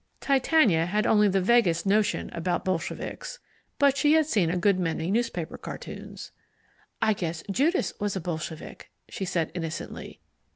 Titania had only the vaguest notion about bolsheviks, but she had seen a good many newspaper cartoons. "I guess Judas was a bolshevik," she said innocently.